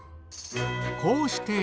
こうして。